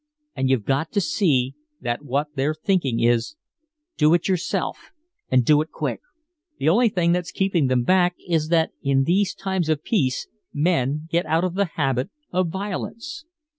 And you've got to see that what they're thinking is, 'Do it yourself and do it quick!' The only thing that's keeping them back is that in these times of peace men get out of the habit of violence!